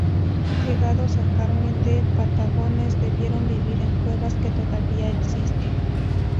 Llegados a Carmen de Patagones, debieron vivir en cuevas, que todavía existen.